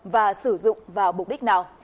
và sử dụng vào mục đích nào